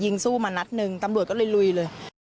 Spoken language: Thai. สู้มานัดหนึ่งตำรวจก็เลยลุยเลย